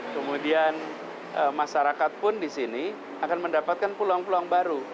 kemudian masyarakat pun di sini akan mendapatkan peluang peluang baru